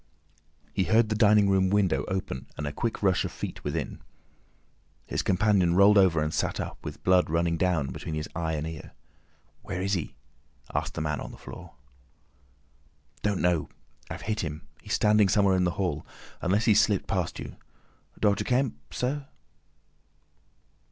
He heard the dining room window open, and a quick rush of feet within. His companion rolled over and sat up, with the blood running down between his eye and ear. "Where is he?" asked the man on the floor. "Don't know. I've hit him. He's standing somewhere in the hall. Unless he's slipped past you. Doctor Kemp—sir."